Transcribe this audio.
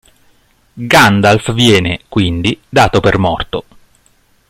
Gandalf viene, quindi, dato per morto.